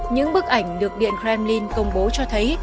những bức ảnh được điện kremlin công bố cho thấy